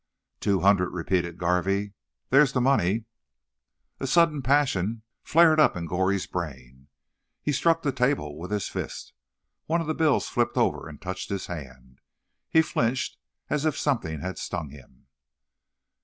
"Two hundred," repeated Garvey. "Thar's the money." A sudden passion flared up in Goree's brain. He struck the table with his fist. One of the bills flipped over and touched his hand. He flinched as if something had stung him.